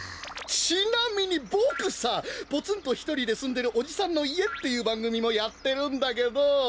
ちなみにボクさ「ポツンとひとりで住んでるおじさんの家」っていうばんぐみもやってるんだけど。